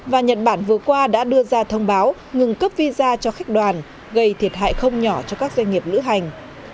và nhật bản vừa qua đã đưa ra thông báo ngừng cấp visa cho khách đoàn gây thiệt hại không nhỏ cho các doanh nghiệp lữ hành